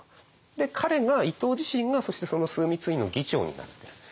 で彼が伊藤自身がそしてその枢密院の議長になっている。